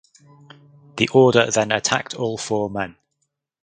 The Order then attacked all four men.